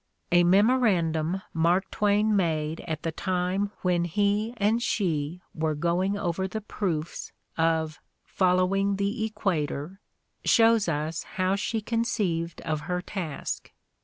A memorandum Mark Twain made at the time when he and she were going over the proofs of "Following the Equator" shows us how she conceived of her task.